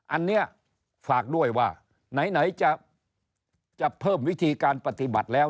อันนี้ฝากด้วยว่าไหนจะเพิ่มวิธีการปฏิบัติแล้ว